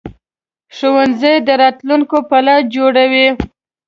ښوونځی د راتلونکي پلان جوړوي